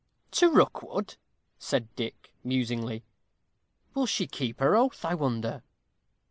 "To Rookwood," said Dick, musingly. "Will she keep her oath, I wonder?"